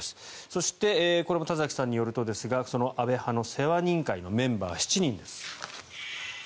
そしてこれも田崎さんによるとですがその安倍派の世話人会のメンバー７人です。